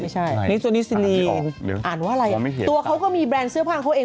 ใช่อ่ะอ่านอ่ะได้ตัวเขาก็มีแบรนด์เสื้อผ้าเขาเอง